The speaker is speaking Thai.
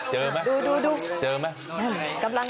เจอมั้ย